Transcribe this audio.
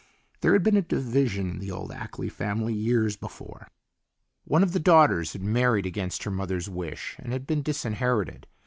There had been a division in the old Ackley family years before. One of the daughters had married against her mother's wish and had been disinherited.